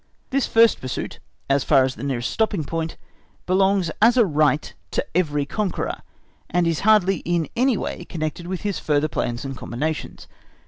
This first pursuit, as far as the nearest stopping point, belongs as a right to every conqueror, and is hardly in any way connected with his further plans and combinations.